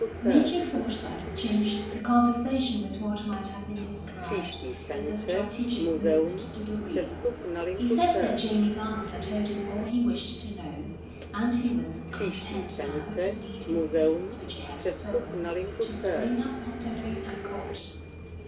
Major Forsyth changed the conversation with what might have been described as a strategic movement to the rear. He said that Jamie's answer told him all he wished to know, and he was content now to leave the seeds which he had sown to spring up of their own accord.